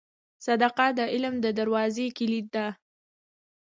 • صداقت د علم د دروازې کلید دی.